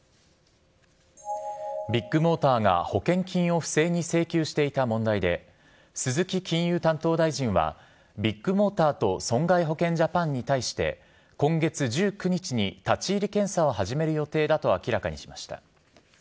ビッグモーターが保険金を不正に請求していた問題で、鈴木金融担当大臣はビッグモーターと損害保険ジャパンに対して、今月１９日に立ち入り検査を始める予定だと明らかにしました。